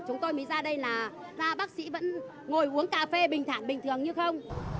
chúng tôi mới ra đây là bác sĩ vẫn ngồi uống cà phê bình thản bình thường như không